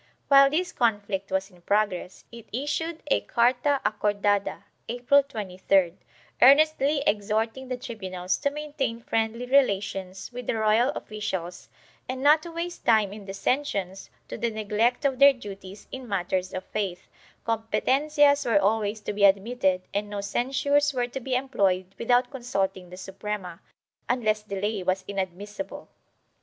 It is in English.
While this conflict was in progress, it issued a carta acordada, April 23d, earnestly exhorting the tribunals to maintain friendly relations with the royal officials and not to waste time in dissen sions to the neglect of their duties in matters of faith; com petencias were always to be admitted and no censures were to be employed without consulting the Suprema, unless delay was inadmissible.